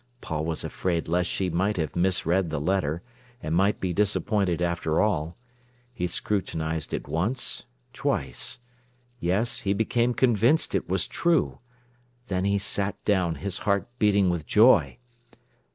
Paul was afraid lest she might have misread the letter, and might be disappointed after all. He scrutinised it once, twice. Yes, he became convinced it was true. Then he sat down, his heart beating with joy.